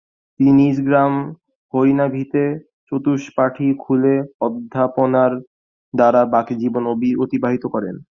তিনি নিজগ্রাম হরিনাভিতে চতুষ্পাঠী খুলে অধ্যাপনার দ্বারা বাকি জীবন অতিবাহিত করেন।